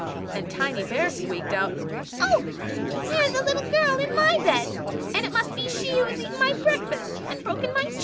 And Tiny Bear squeaked out, "Oh! here is a little girl in my bed; and it must be she who has eaten my breakfast and broken my chair."